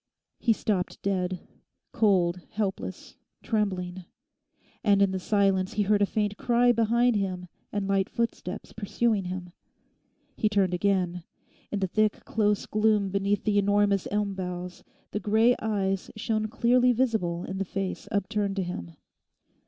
He stopped dead—cold, helpless, trembling. And, in the silence he heard a faint cry behind him and light footsteps pursuing him. He turned again. In the thick close gloom beneath the enormous elm boughs the grey eyes shone clearly visible in the face upturned to him.